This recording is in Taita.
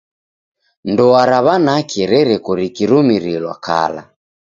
Ndoa ra w'anake rereko rikirumirilwa kala.